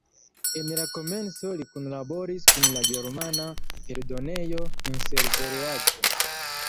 En la komenco li kunlaboris kun la germana eldonejo Insel-Verlag.